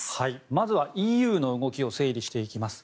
まずはＥＵの動きを整理していきます。